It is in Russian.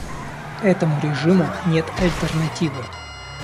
Этому режиму нет альтернативы.